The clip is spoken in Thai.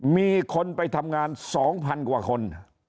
มีคนไปทำงาน๒๐๐๐กว่าคน